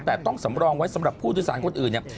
แต่ต้องสำรองไว้สำหรับผู้โดยสารคนอื่นเนี่ย